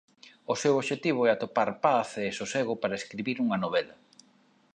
O seu obxectivo é atopar paz e sosego para escribir unha novela.